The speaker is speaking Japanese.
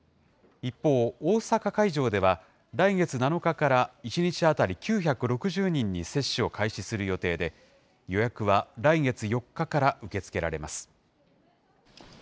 一方、大阪会場では、来月７日から１日当たり９６０人に接種を開始する予定で、予約は来月４日から受け付けられます。